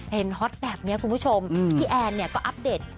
เห็นฮอตแบบนี้คุณผู้ชมพี่แอนก็อัปเดต